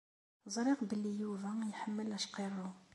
Ẓriɣ belli Yuba iḥemmel acqirrew.